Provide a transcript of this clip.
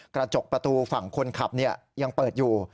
กระจกประตูฝั่งคนขับยังเปิดอยู่